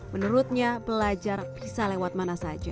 menurutnya belajar bisa lewat mana saja